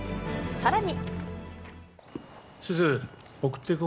さらに。